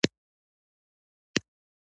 احمد ورته د ايمان پر ځای ګوته ورته کېښوده.